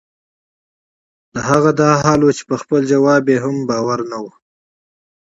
د هغه دا حال وۀ چې پۀ خپل جواب ئې هم اعتماد نۀ وۀ